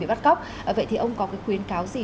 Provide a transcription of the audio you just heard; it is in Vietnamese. bị bắt cóc vậy thì ông có cái khuyến cáo gì